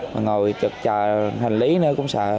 rồi ngồi chờ hành lý nữa cũng sợ